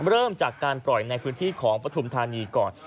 เริ่มจากการปล่อยในพื้นที่ของปฐุมธานีก่อน